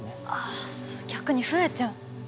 あ逆に増えちゃう。